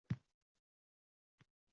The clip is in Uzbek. Qayoqqa borasan, Ismoil?